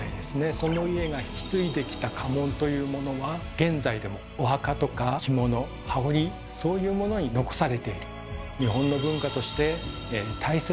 その家が引き継いできた家紋というものは現在でもお墓とか着物羽織そういうものに残されている。